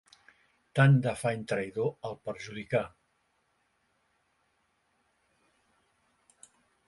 Tant d'afany traïdor el perjudicà.